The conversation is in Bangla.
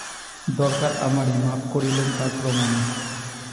দরকার আমারই, মাপ করলেন তার প্রমাণ।